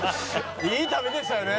いい旅でしたよね。